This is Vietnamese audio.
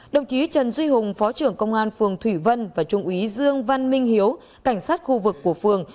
đồng chí trần duy hùng phó trưởng công an phường thủy vân và trung úy dương văn minh hiếu cảnh sát khu vực của phường